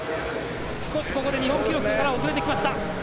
ここで日本記録から遅れてきた。